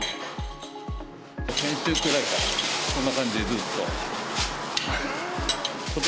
先週くらいからこんな感じ、ずっと。